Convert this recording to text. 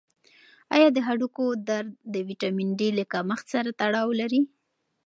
آیا د هډوکو درد د ویټامین ډي له کمښت سره تړاو لري؟